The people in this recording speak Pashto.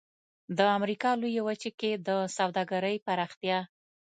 د امریکا لویې وچې کې د سوداګرۍ پراختیا.